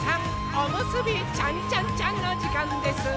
おむすびちゃんちゃんちゃんのじかんです！